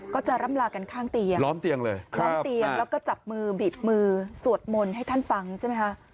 ก็จะรำลากันข้างเตียงแล้วก็จับมือบีบมือสวดมนต์ให้ท่านฟังใช่ไหมคะ